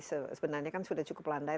sebenarnya kan sudah cukup landai